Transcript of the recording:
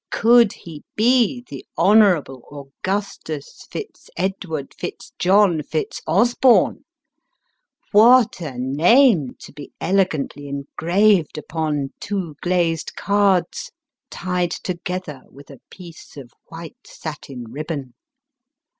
Could ho be the Honourable Augustus Fitz Edward Fitz John Fitz Osborne ! What a came to be elegantly engraved upon two glazed cards, tied together with a piece of white satin ribbon